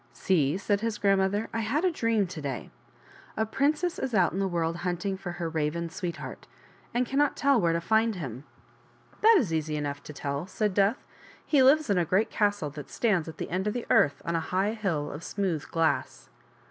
" See," said his grandmother, " I had a dream to day. A princess is out in the world hunting for her Raven sweetheart, and cannot tell where to find him." " That is easy enough to tell," said Death ;" he lives in a great castle that stands at the end of the earth on a high hill of smooth glass."